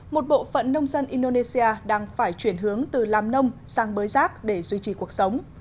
một bộ phận nông dân indonesia đang phải chuyển hướng từ làm nông sang bới rác để duy trì cuộc sống